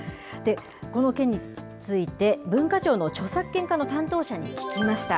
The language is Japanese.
この件について、文化庁の著作権課の担当者に聞きました。